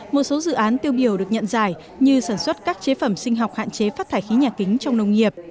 một số dự án tiêu biểu được nhận giải như sản xuất các chế phẩm sinh học hạn chế phát thải khí nhà kính trong nông nghiệp